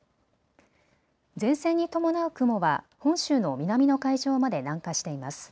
前線に伴う雲は本州の南の海上まで南下しています。